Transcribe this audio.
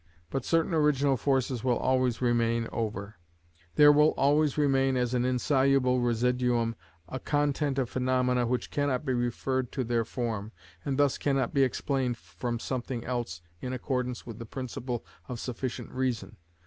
But certain original forces will always remain over; there will always remain as an insoluble residuum a content of phenomena which cannot be referred to their form, and thus cannot be explained from something else in accordance with the principle of sufficient reason.